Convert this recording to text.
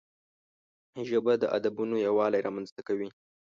ژبه د ادبونو یووالی رامنځته کوي